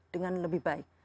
dengan lebih baik